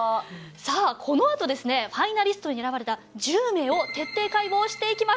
さあこのあとですねファイナリストに選ばれた１０名を徹底解剖していきます！